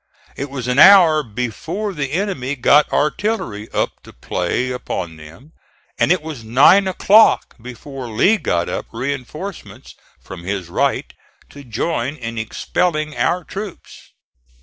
It was an hour before the enemy got artillery up to play upon them; and it was nine o'clock before Lee got up reinforcements from his right to join in expelling our troops.